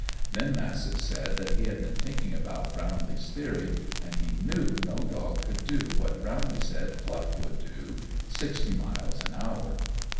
Then Massett said that he had been thinking about Brownlee's theory, and he knew no dog could do what Brownlee said Fluff would do sixty miles an hour.